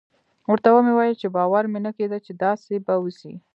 ورته ومې ويل چې باور مې نه کېده چې داسې به وسي.